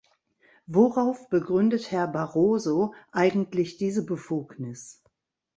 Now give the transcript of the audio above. Worauf begründet Herr Barroso eigentlich diese Befugnis?